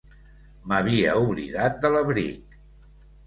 M'havia oblidat de l'abric.